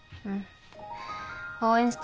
応援してる。